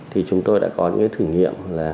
thì chúng tôi đã có những thử nghiệm